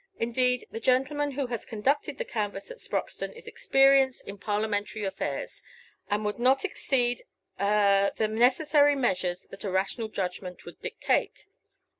Indeed, the gentleman who has conducted the canvass at Sproxton is experienced in Parliamentary affairs, and would not exceed a the necessary measures that a rational judgment would dictate."